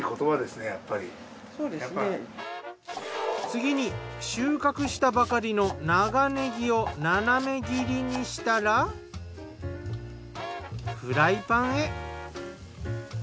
次に収穫したばかりの長ねぎを斜め切りにしたらフライパンへ。